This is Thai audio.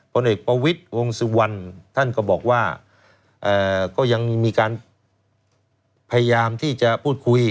พลเอวิสวงษวัลท่านก็บอกว่าก็ยังมีการพยายามท่าพูดคุย